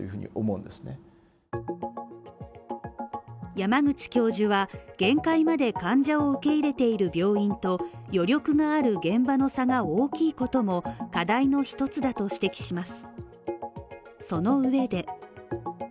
山口教授は限界まで患者を受け入れている病院と余力がある現場の差が大きいことも課題の一つだと指摘します。